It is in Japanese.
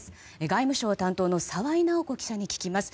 外務省担当の澤井尚子記者に聞きます。